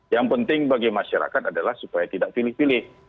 yang penting bagi masyarakat adalah supaya tidak pilih pilih